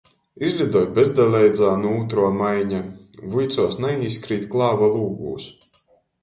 Izlidoj bezdeleidzānu ūtruo maiņa. Vuicuos naīskrīt klāva lūgūs.